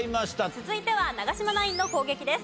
続いては長嶋ナインの攻撃です。